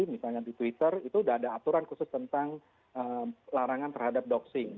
misalnya di twitter itu sudah ada aturan khusus tentang larangan terhadap doxing